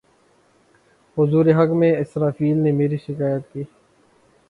حضور حق میں اسرافیل نے میری شکایت کی